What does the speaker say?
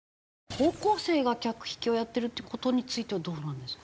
高校生が客引きをやってるって事についてはどうなんですか？